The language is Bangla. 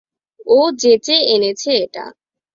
ও যেচে এনেছে এটা।